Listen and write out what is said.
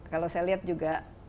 kalau saya lihat juga